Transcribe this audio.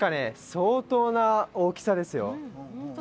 相当な大きさですよ